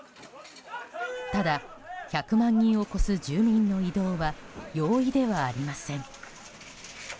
ただ、１００万人を超す住民の移動は容易ではありません。